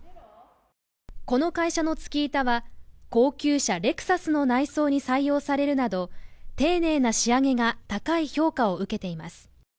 この会社のツキ板は高級車レクサスの内装に採用されるなど丁寧な仕上げが高い評価を受けています。